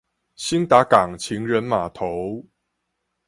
興達港情人碼頭